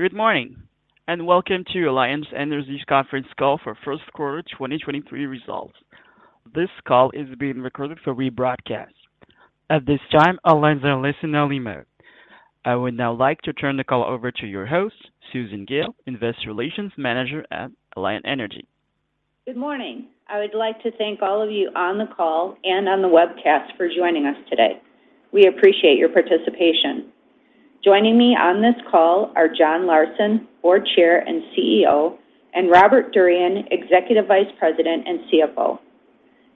Good morning, welcome to Alliant Energy's conference call for first quarter 2023 results. This call is being recorded for rebroadcast. At this time, all lines are in listen-only mode. I would now like to turn the call over to your host, Susan Gille, Investor Relations Manager at Alliant Energy. Good morning. I would like to thank all of you on the call and on the webcast for joining us today. We appreciate your participation. Joining me on this call are John Larsen, Board Chair and CEO, and Robert Durian, Executive Vice President and CFO.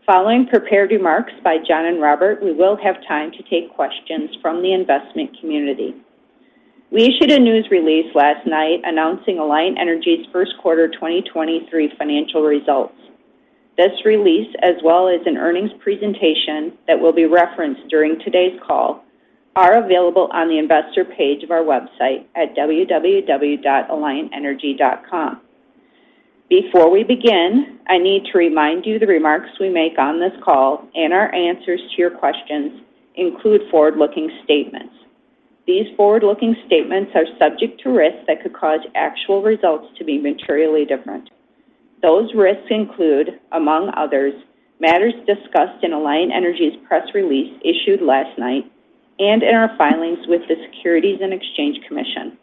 Following prepared remarks by John and Robert, we will have time to take questions from the investment community. We issued a news release last night announcing Alliant Energy's first quarter 2023 financial results. This release, as well as an earnings presentation that will be referenced during today's call, are available on the investor page of our website at www.alliantenergy.com. Before we begin, I need to remind you the remarks we make on this call and our answers to your questions include forward-looking statements. These forward-looking statements are subject to risks that could cause actual results to be materially different. Those risks include, among others, matters discussed in Alliant Energy's press release issued last night and in our filings with the Securities and Exchange Commission.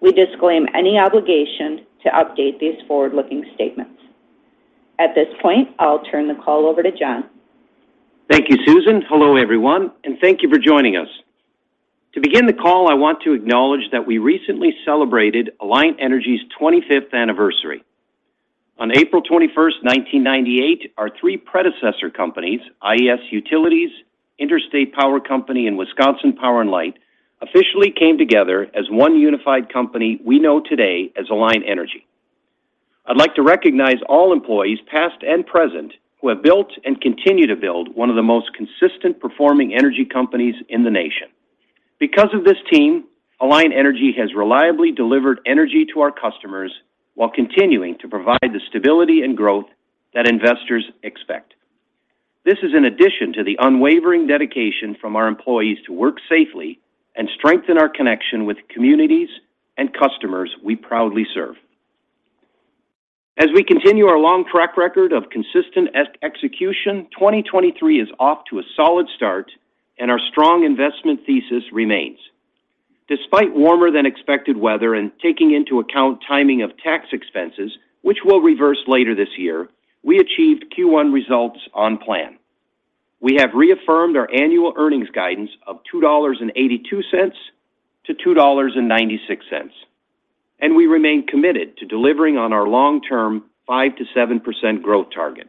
We disclaim any obligation to update these forward-looking statements. At this point, I'll turn the call over to John. Thank you, Susan. Hello, everyone, and thank you for joining us. To begin the call, I want to acknowledge that we recently celebrated Alliant Energy's 25th anniversary. On April 21, 1998, our three predecessor companies, IES Utilities, Interstate Power Company, and Wisconsin Power and Light, officially came together as one unified company we know today as Alliant Energy. I'd like to recognize all employees, past and present, who have built and continue to build one of the most consistent performing energy companies in the nation. Because of this team, Alliant Energy has reliably delivered energy to our customers while continuing to provide the stability and growth that investors expect. This is in addition to the unwavering dedication from our employees to work safely and strengthen our connection with communities and customers we proudly serve. As we continue our long track record of consistent execution, 2023 is off to a solid start. Our strong investment thesis remains. Despite warmer than expected weather and taking into account timing of tax expenses, which will reverse later this year, we achieved Q1 results on plan. We have reaffirmed our annual earnings guidance of $2.82-$2.96. We remain committed to delivering on our long-term 5%-7% growth target.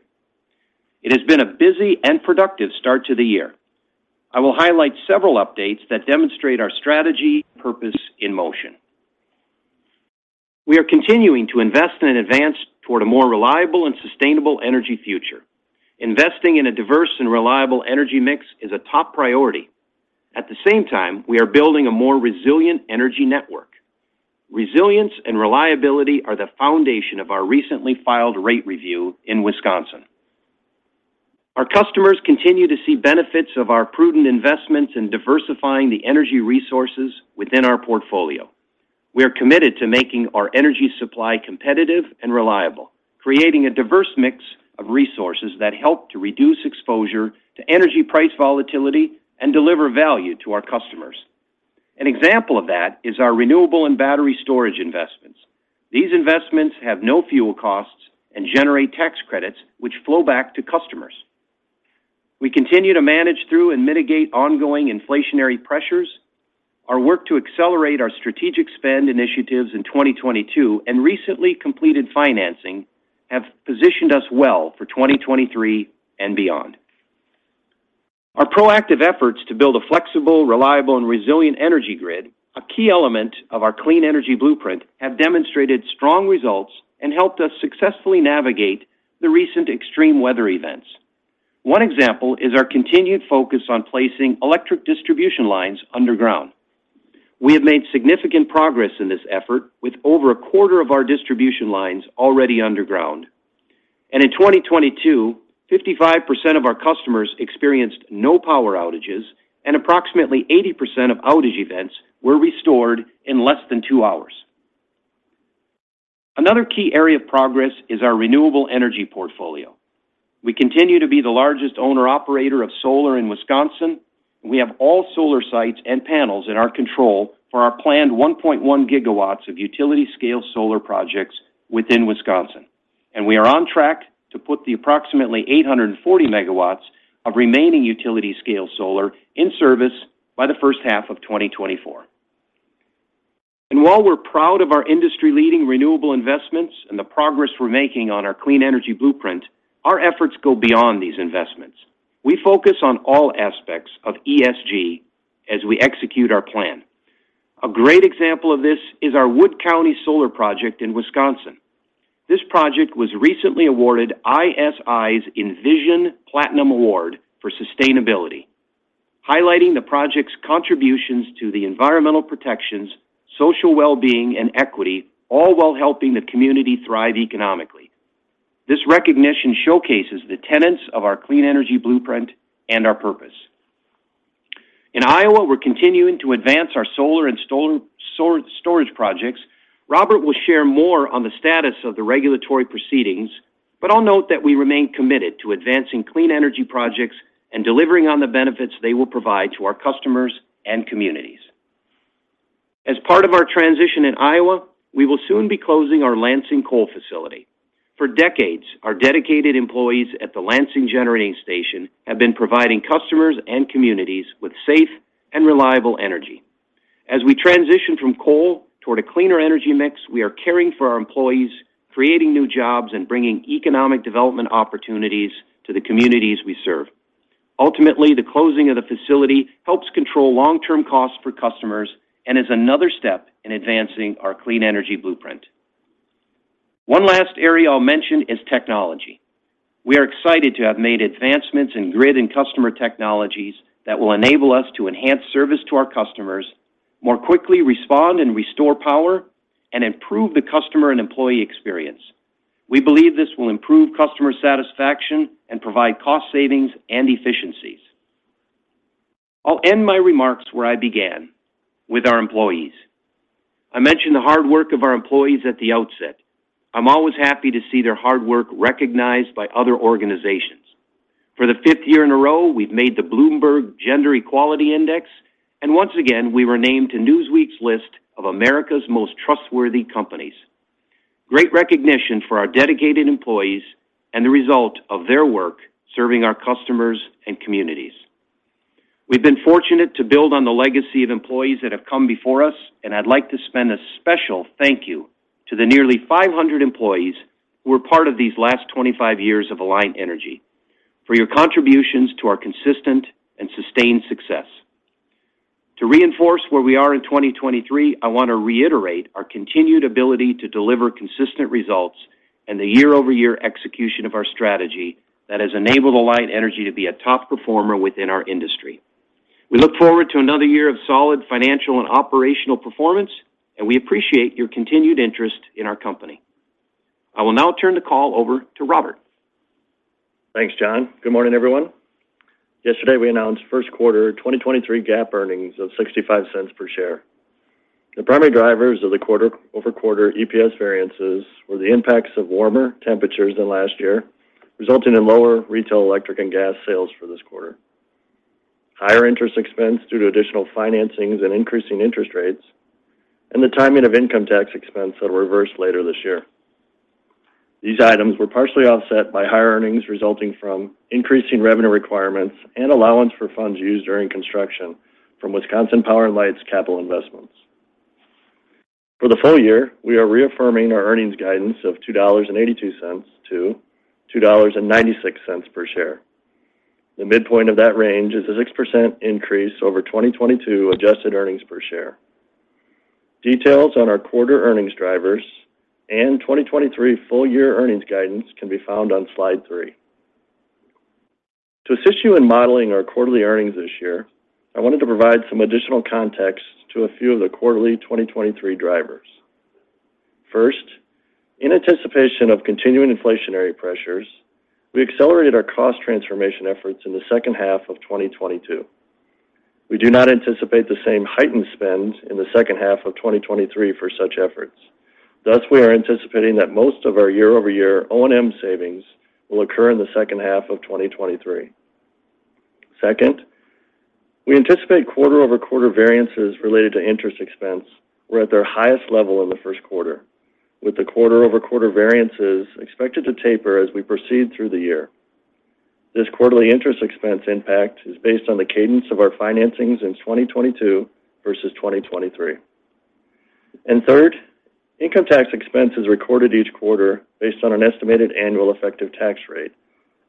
It has been a busy and productive start to the year. I will highlight several updates that demonstrate our strategy purpose in motion. We are continuing to invest in advance toward a more reliable and sustainable energy future. Investing in a diverse and reliable energy mix is a top priority. At the same time, we are building a more resilient energy network. Resilience and reliability are the foundation of our recently filed rate review in Wisconsin. Our customers continue to see benefits of our prudent investments in diversifying the energy resources within our portfolio. We are committed to making our energy supply competitive and reliable, creating a diverse mix of resources that help to reduce exposure to energy price volatility and deliver value to our customers. An example of that is our renewable and battery storage investments. These investments have no fuel costs and generate tax credits which flow back to customers. We continue to manage through and mitigate ongoing inflationary pressures. Our work to accelerate our strategic spend initiatives in 2022 and recently completed financing have positioned us well for 2023 and beyond. Our proactive efforts to build a flexible, reliable, and resilient energy grid, a key element of our Clean Energy Blueprint, have demonstrated strong results and helped us successfully navigate the recent extreme weather events. One example is our continued focus on placing electric distribution lines underground. We have made significant progress in this effort with over a quarter of our distribution lines already underground. In 2022, 55% of our customers experienced no power outages, and approximately 80% of outage events were restored in less than two hours. Another key area of progress is our renewable energy portfolio. We continue to be the largest owner/operator of solar in Wisconsin. We have all solar sites and panels in our control for our planned 1.1GW of utility-scale solar projects within Wisconsin, and we are on track to put the approximately 840MW of remaining utility-scale solar in service by the first half of 2024. While we're proud of our industry-leading renewable investments and the progress we're making on our Clean Energy Blueprint, our efforts go beyond these investments. We focus on all aspects of ESG as we execute our plan. A great example of this is our Wood County Solar project in Wisconsin. This project was recently awarded ISI's Envision Platinum Award for sustainability, highlighting the project's contributions to the environmental protections, social well-being, and equity, all while helping the community thrive economically. This recognition showcases the tenets of our Clean Energy Blueprint and our purpose. In Iowa, we're continuing to advance our solar and storage projects. Robert will share more on the status of the regulatory proceedings, but I'll note that we remain committed to advancing clean energy projects and delivering on the benefits they will provide to our customers and communities. As part of our transition in Iowa, we will soon be closing our Lansing coal facility. For decades, our dedicated employees at the Lansing Generating Station have been providing customers and communities with safe and reliable energy. As we transition from coal toward a cleaner energy mix, we are caring for our employees, creating new jobs, and bringing economic development opportunities to the communities we serve. Ultimately, the closing of the facility helps control long-term costs for customers and is another step in advancing our Clean Energy Blueprint. One last area I'll mention is technology. We are excited to have made advancements in grid and customer technologies that will enable us to enhance service to our customers, more quickly respond and restore power, and improve the customer and employee experience. We believe this will improve customer satisfaction and provide cost savings and efficiencies. I'll end my remarks where I began, with our employees. I mentioned the hard work of our employees at the outset. I'm always happy to see their hard work recognized by other organizations. For the fifth year in a row, we've made the Bloomberg Gender-Equality Index, and once again, we were named to Newsweek's list of America's Most Trustworthy Companies. Great recognition for our dedicated employees and the result of their work serving our customers and communities. We've been fortunate to build on the legacy of employees that have come before us. I'd like to spend a special thank you to the nearly 500 employees who are part of these last 25 years of Alliant Energy for your contributions to our consistent and sustained success. To reinforce where we are in 2023, I want to reiterate our continued ability to deliver consistent results and the year-over-year execution of our strategy that has enabled Alliant Energy to be a top performer within our industry. We look forward to another year of solid financial and operational performance. We appreciate your continued interest in our company. I will now turn the call over to Robert. Thanks, John. Good morning, everyone. Yesterday, we announced first quarter 2023 GAAP earnings of $0.65 per share. The primary drivers of the quarter-over-quarter EPS variances were the impacts of warmer temperatures than last year, resulting in lower retail electric and gas sales for this quarter. Higher interest expense due to additional financings and increasing interest rates, and the timing of income tax expense that'll reverse later this year. These items were partially offset by higher earnings resulting from increasing revenue requirements and allowance for funds used during construction from Wisconsin Power and Light's capital investments. For the full year, we are reaffirming our earnings guidance of $2.82-$2.96 per share. The midpoint of that range is a 6% increase over 2022 adjusted earnings per share. Details on our quarter earnings drivers and 2023 full year earnings guidance can be found on slide two. To assist you in modeling our quarterly earnings this year, I wanted to provide some additional context to a few of the quarterly 2023 drivers. First, in anticipation of continuing inflationary pressures, we accelerated our cost transformation efforts in the second half of 2022. We do not anticipate the same heightened spend in the second half of 2023 for such efforts. We are anticipating that most of our year-over-year O&M savings will occur in the second half of 2023. Second, we anticipate quarter-over-quarter variances related to interest expense were at their highest level in the first quarter, with the quarter-over-quarter variances expected to taper as we proceed through the year. This quarterly interest expense impact is based on the cadence of our financings in 2022 versus 2023. Third, income tax expense is recorded each quarter based on an estimated annual effective tax rate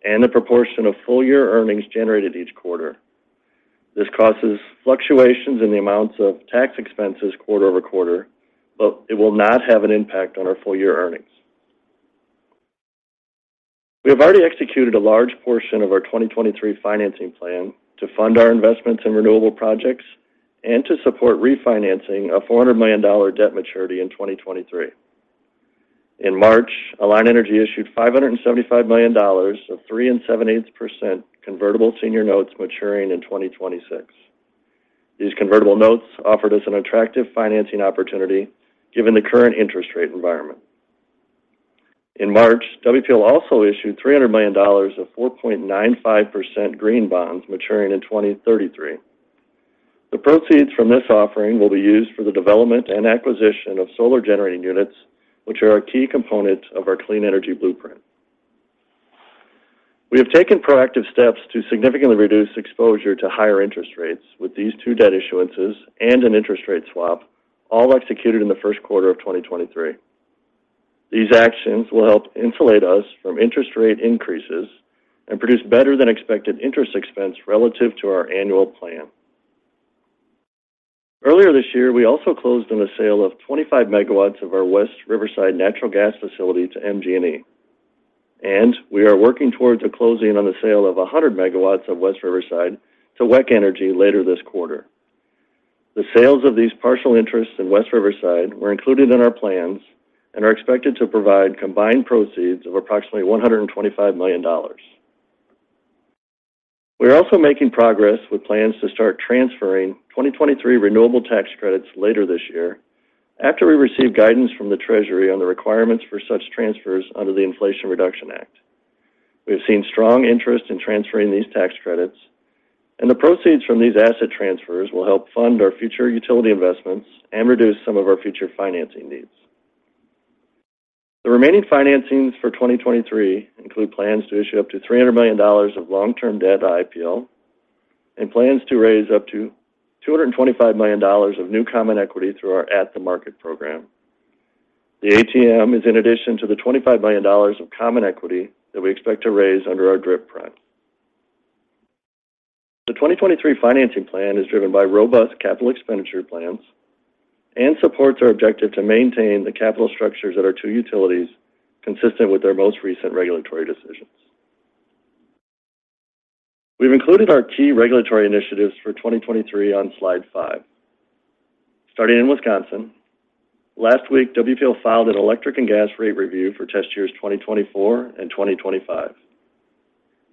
and the proportion of full year earnings generated each quarter. This causes fluctuations in the amounts of tax expenses quarter-over-quarter, but it will not have an impact on our full year earnings. We have already executed a large portion of our 2023 financing plan to fund our investments in renewable projects and to support refinancing a $400 million debt maturity in 2023. In March, Alliant Energy issued $575 million of 3.875% convertible senior notes maturing in 2026. These convertible notes offered us an attractive financing opportunity given the current interest rate environment. In March, WPL also issued $300 million of 4.95% green bonds maturing in 2033. The proceeds from this offering will be used for the development and acquisition of solar generating units, which are our key components of our Clean Energy Blueprint. We have taken proactive steps to significantly reduce exposure to higher interest rates with these two debt issuances and an interest rate swap, all executed in the first quarter of 2023. These actions will help insulate us from interest rate increases and produce better than expected interest expense relative to our annual plan. Earlier this year, we also closed on the sale of 25MW of our West Riverside natural gas facility to MGE. We are working towards a closing on the sale of 100MW of West Riverside to WEC Energy later this quarter. The sales of these partial interests in West Riverside were included in our plans and are expected to provide combined proceeds of approximately $125 million. We're also making progress with plans to start transferring 2023 renewable tax credits later this year after we receive guidance from the Treasury on the requirements for such transfers under the Inflation Reduction Act. We have seen strong interest in transferring these tax credits and the proceeds from these asset transfers will help fund our future utility investments and reduce some of our future financing needs. The remaining financings for 2023 include plans to issue up to $300 million of long-term debt to IPL and plans to raise up to $225 million of new common equity through our at-the-market program. The ATM is in addition to the $25 million of common equity that we expect to raise under our DRIP plan. The 2023 financing plan is driven by robust capital expenditure plans and supports our objective to maintain the capital structures at our two utilities consistent with their most recent regulatory decisions. We've included our key regulatory initiatives for 2023 on slide 5. Starting in Wisconsin, last week, WPL filed an electric and gas rate review for test years 2024 and 2025.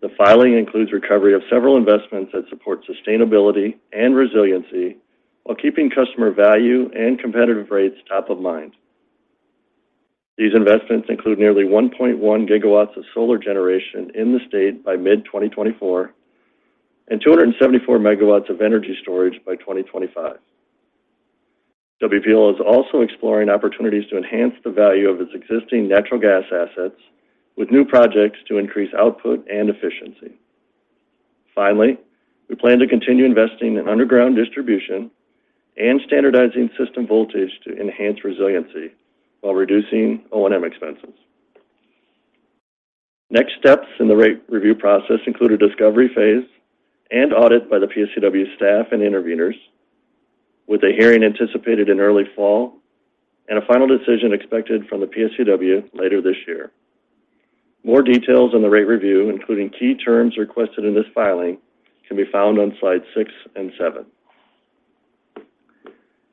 The filing includes recovery of several investments that support sustainability and resiliency while keeping customer value and competitive rates top of mind. These investments include nearly 1.1GW of solar generation in the state by mid-2024 and 274MW of energy storage by 2025. WPL is also exploring opportunities to enhance the value of its existing natural gas assets with new projects to increase output and efficiency. Finally, we plan to continue investing in underground distribution and standardizing system voltage to enhance resiliency while reducing O&M expenses. Next steps in the rate review process include a discovery phase and audit by the PSCW staff and interveners with a hearing anticipated in early fall and a final decision expected from the PSCW later this year. More details on the rate review, including key terms requested in this filing, can be found on slide six and seven.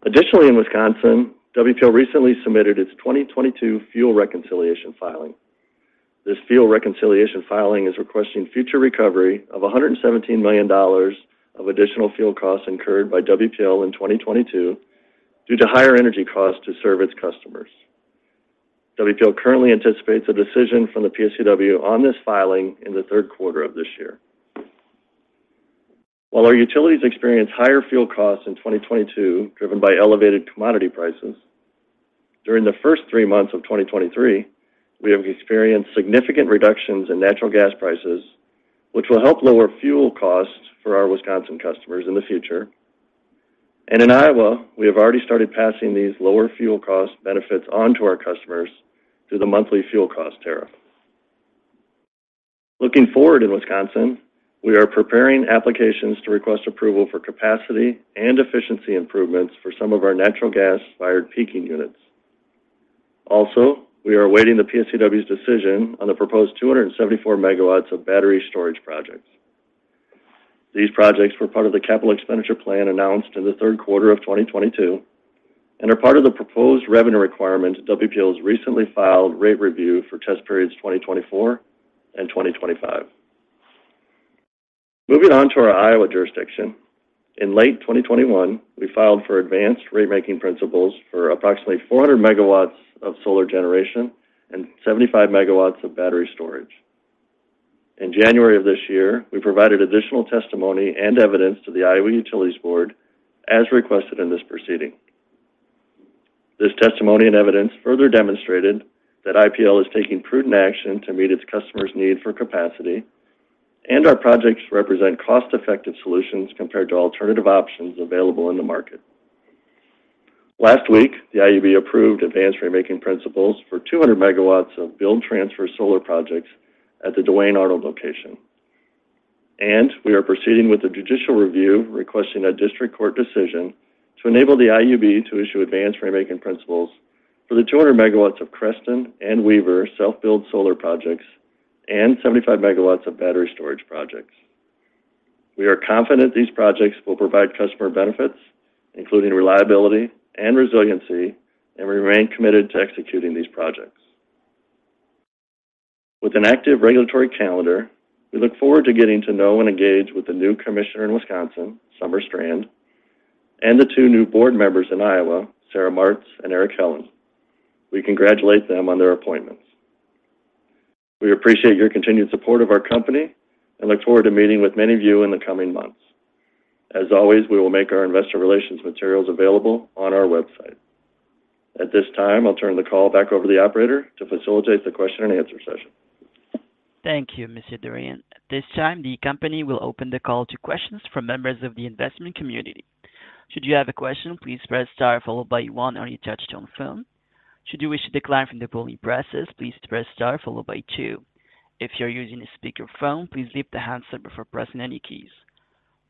In Wisconsin, WPL recently submitted its 2022 fuel reconciliation filing. This fuel reconciliation filing is requesting future recovery of $117 million of additional fuel costs incurred by WPL in 2022 due to higher energy costs to serve its customers. WPL currently anticipates a decision from the PSCW on this filing in the third quarter of this year. While our utilities experienced higher fuel costs in 2022, driven by elevated commodity prices, during the first three months of 2023, we have experienced significant reductions in natural gas prices, which will help lower fuel costs for our Wisconsin customers in the future. In Iowa, we have already started passing these lower fuel cost benefits on to our customers through the monthly fuel cost tariff. Looking forward in Wisconsin, we are preparing applications to request approval for capacity and efficiency improvements for some of our natural gas-fired peaking units. We are awaiting the PSCW's decision on the proposed 274MW of battery storage projects. These projects were part of the capital expenditure plan announced in the third quarter of 2022 and are part of the proposed revenue requirement WPL's recently filed rate review for test periods 2024 and 2025. Moving on to our Iowa jurisdiction. In late 2021, we filed for advanced ratemaking principles for approximately 400MW of solar generation and 75MW of battery storage. In January of this year, we provided additional testimony and evidence to the Iowa Utilities Board as requested in this proceeding. This testimony and evidence further demonstrated that IPL is taking prudent action to meet its customers' need for capacity, and our projects represent cost-effective solutions compared to alternative options available in the market. Last week, the IUB approved advanced ratemaking principles for 200MW of build-transfer solar projects at the Duane Arnold location. We are proceeding with the judicial review, requesting a district court decision to enable the IUB to issue advanced ratemaking principles for the 200MW of Creston and Wever self-build solar projects and 75MW of battery storage projects. We are confident these projects will provide customer benefits, including reliability and resiliency, and we remain committed to executing these projects. With an active regulatory calendar, we look forward to getting to know and engage with the new commissioner in Wisconsin, Summer Strand, and the two new board members in Iowa, Sarah Martz and Eric Helland. We congratulate them on their appointments. We appreciate your continued support of our company and look forward to meeting with many of you in the coming months. As always, we will make our investor relations materials available on our website. At this time, I'll turn the call back over to the operator to facilitate the question and answer session. Thank you, Mr. Durian. At this time, the company will open the call to questions from members of the investment community. Should you have a question, please press star followed by one on your touch tone phone. Should you wish to decline from the polling presses, please press star followed by two. If you're using a speaker phone, please leave the handset before pressing any keys.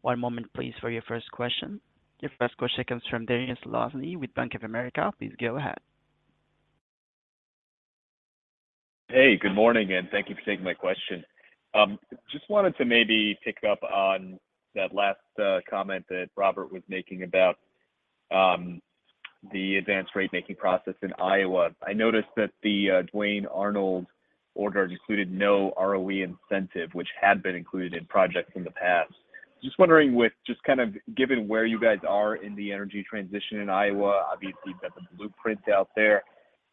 One moment please for your first question. Your first question comes from Dariusz Lozny with Bank of America. Please go ahead. Good morning, thank you for taking my question. Just wanted to maybe pick up on that last comment that Robert was making about the advanced ratemaking process in Iowa. I noticed that the Duane Arnold order included no ROE incentive, which had been included in projects in the past. Just wondering given where you guys are in the energy transition in Iowa, obviously you've got the Blueprint out there.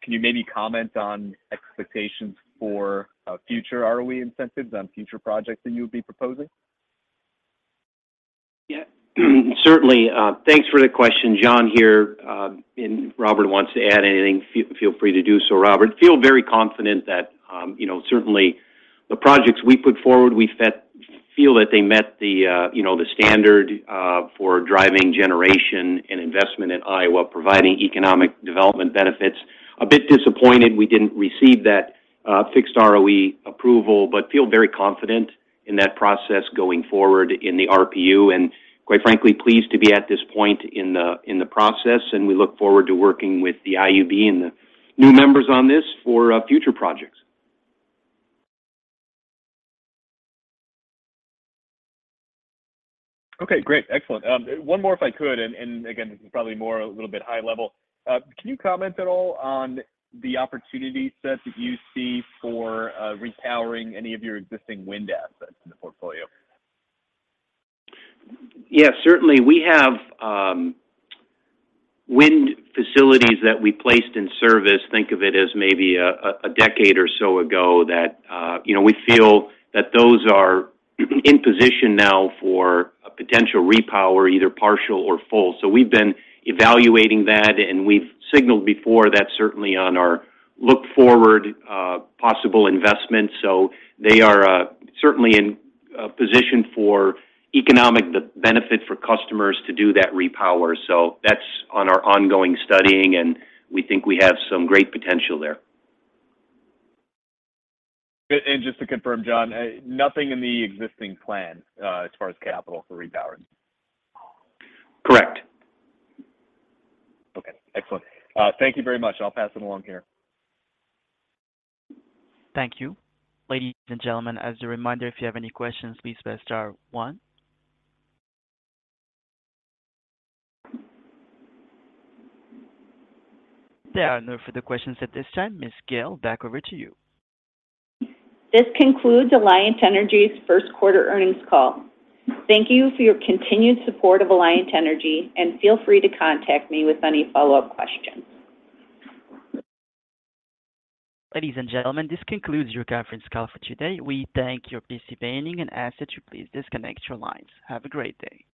Can you maybe comment on expectations for future ROE incentives on future projects that you would be proposing? Yeah. Certainly. Thanks for the question. John here. If Robert wants to add anything, feel free to do so, Robert. Feel very confident that, you know, certainly the projects we put forward, we feel that they met the, you know, the standard for driving generation and investment in Iowa, providing economic development benefits. A bit disappointed we didn't receive that fixed ROE approval, but feel very confident in that process going forward in the RPU, and quite frankly, pleased to be at this point in the process, and we look forward to working with the IUB and the new members on this for future projects. Okay, great. Excellent. One more, if I could, and again, this is probably more a little bit high level. Can you comment at all on the opportunity set that you see for repowering any of your existing wind assets in the portfolio? Yeah, certainly. We have wind facilities that we placed in service. Think of it as maybe a decade or so ago that, you know, we feel that those are in position now for a potential repower, either partial or full. We've been evaluating that, and we've signaled before that certainly on our look-forward, possible investment. They are certainly in a position for economic benefit for customers to do that repower. That's on our ongoing studying, and we think we have some great potential there. Just to confirm, John, nothing in the existing plan, as far as capital for repowering? Correct. Okay, excellent. Thank you very much. I'll pass it along here. Thank you. Ladies and gentlemen, as a reminder, if you have any questions, please press star one. There are no further questions at this time. Ms. Gille, back over to you. This concludes Alliant Energy's first quarter earnings call. Thank you for your continued support of Alliant Energy, and feel free to contact me with any follow-up questions. Ladies and gentlemen, this concludes your conference call for today. We thank you for participating and ask that you please disconnect your lines. Have a great day.